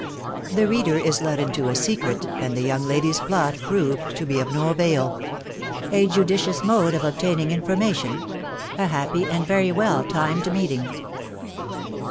THE READER IS LET INTO A SECRET, AND THE YOUKO LADT*S TU11 PROVED TO BE OF NO AVAIL. A JUDICIOUS MODE OP OBTAINIHG IV FORMATIOK. A HAPPY AND VERT WELL TIMED MEETING.